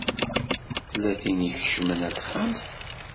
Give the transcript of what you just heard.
Tella tin i ikecmen ar texxamt.